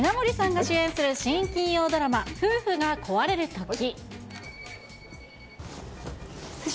稲森さんが主演する新金曜ドラマ、夫婦が壊れるとき。